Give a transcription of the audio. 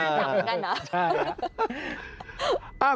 พี่ก็จะอุ้มไว้อย่างนี้เหมือนกัน